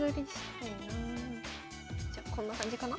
じゃこんな感じかな。